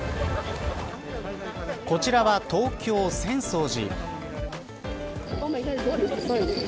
こちらは、東京、浅草寺。